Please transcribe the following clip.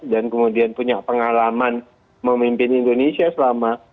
dan kemudian punya pengalaman memimpin indonesia selama